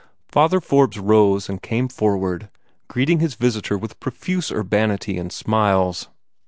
Father Forbes rose and came forward, greeting his visitor with profuse urbanity and smiles.